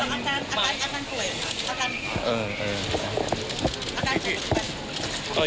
อาการหัวใจอ่ะ